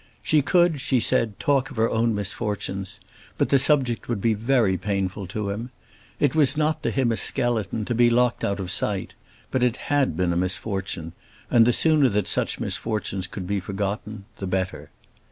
She could, she said, talk of her own misfortunes, but the subject would be very painful to him. It was not to him a skeleton, to be locked out of sight; but it had been a misfortune, and the sooner that such misfortunes could be forgotten the better.